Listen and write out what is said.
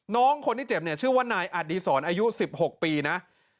น้องคนที่เจ็บเนี่ยชื่อว่านายอดีศรอายุ๑๖ปีนะ